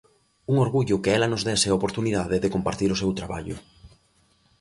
Un orgullo que ela nos dese a oportunidade de compartir o seu traballo.